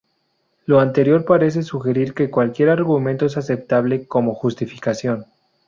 Lo anterior parece sugerir que cualquier argumento es aceptable como justificación.